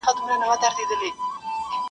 اوس هغي لمبې ته وزرونه بورا نه نیسي -